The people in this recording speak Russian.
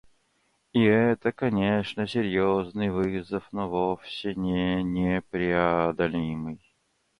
И это, конечно, серьезный вызов, но вовсе не непреодолимый.